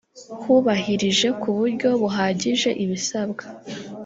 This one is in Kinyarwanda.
hubahirije ku buryo buhagije ibisabwa